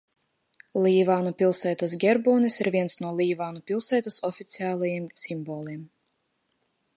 Līvānu pilsētas ģerbonis ir viens no Līvānu pilsētas oficiālajiem simboliem.